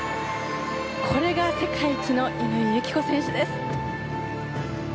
これが世界一の乾友紀子選手です。